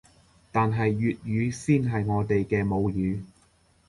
但係粵語先係我哋嘅母語